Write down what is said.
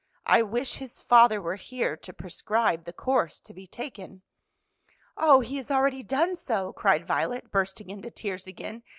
I wish his father were here to prescribe the course to be taken." "Oh, he has already done so!" cried Violet, bursting into tears again.